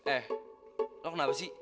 eh lo kenapa sih